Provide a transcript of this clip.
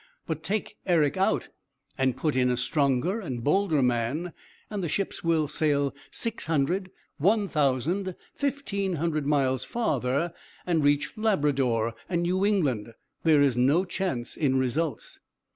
But take Eric out and put in a stronger and bolder man, and the ships will sail six hundred, one thousand, fifteen hundred miles farther and reach Labrador and New England. There is no chance in results.'